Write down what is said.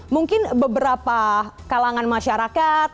mungkin beberapa kalangan masyarakat